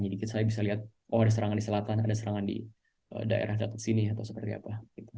jadi saya bisa lihat oh ada serangan di selatan ada serangan di daerah dekat sini atau seperti apa